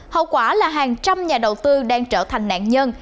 hậu quả là hàng trăm nhà đầu tư đang trở thành nạn nhân